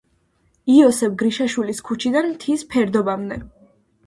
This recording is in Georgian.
იოსებ გრიშაშვილის ქუჩიდან მთის ფერდობამდე.